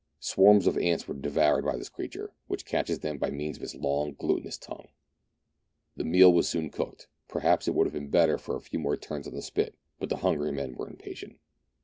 Swarms of ants are devoured by this creature, which catches them by means of its long glutinous tongue. The meal was soon cooked ; perhaps it would have been better for a few more turns of the spit, but the hungry men were impatient.